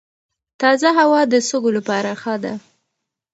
تازه هوا د سږو لپاره ښه ده.